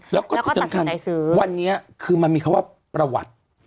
แล้วก็ตัดสินใจซื้อแล้วก็สำคัญวันนี้คือมันมีคำว่าประวัติ